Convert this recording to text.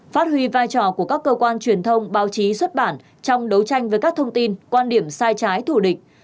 phát huy vai trò của các cơ quan truyền thông báo chí xuất bản trong đấu tranh với các thông tin quan điểm sai trái thủ địch